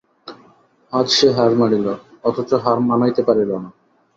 আজ সে হার মানিল, অথচ হার মানাইতে পারিল না।